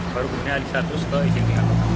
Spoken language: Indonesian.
baru kemudian alisatus ke izin tinggal